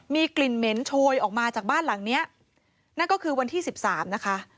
มีกลิ่นเหม็นโชยออกมาจากบ้านหลังเนี้ยนั่นก็คือวันที่สิบสามนะคะ